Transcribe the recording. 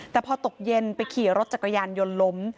แต่พอตกเย็นไปขี่รถจักรยานยนต์ล้ม